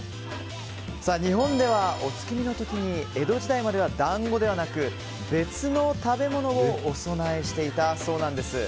日本では、お月見の時に江戸時代までは団子ではなく、別の食べ物をお供えしていたそうなんです。